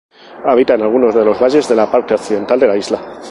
Habita en algunos de los valles de la parte occidental de la isla.